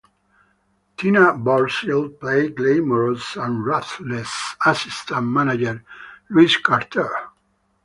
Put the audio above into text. Tina Bursill played glamorous and ruthless assistant manager Louise Carter.